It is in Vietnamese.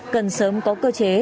cần sớm có cơ chế